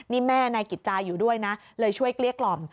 นี่แม่นายกิจจาอยู่ด้วยนะเลยช่วยเกลี้ยกล่อม